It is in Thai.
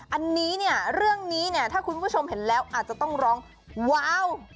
อันนี้เนี่ยเรื่องนี้เนี่ยถ้าคุณผู้ชมเห็นแล้วอาจจะต้องร้องว้าว